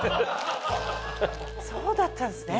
そうだったんですね。